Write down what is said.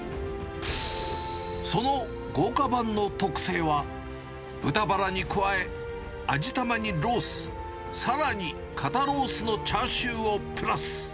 その豪華版の特製は、豚バラに加え、味玉にロース、さらに肩ロースのチャーシューをプラス。